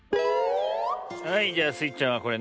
はいじゃあスイちゃんはこれね。